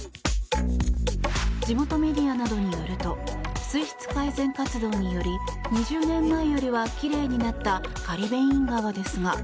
地元メディアなどによると水質改善活動により２０年前よりは奇麗になったカリベイン川ですが